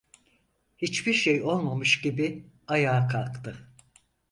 Hiçbir şey olmamış gibi, ayağa kalktı.